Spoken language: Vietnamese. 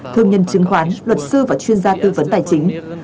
thương nhân chứng khoán luật sư và chuyên gia tư vấn tài chính